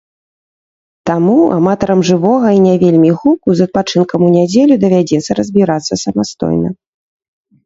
Таму аматарам жывога і не вельмі гуку з адпачынкам у нядзелю давядзецца разбірацца самастойна.